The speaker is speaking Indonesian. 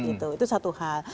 itu satu hal